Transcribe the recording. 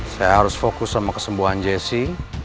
saya harus fokus sama kesembuhan jessi